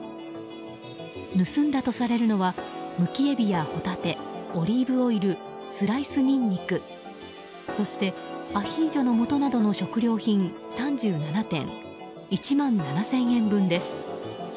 盗んだとされるのはむきエビやホタテオリーブオイルスライスニンニクそして、アヒージョのもとなどの食料品３７点１万７０００円分です。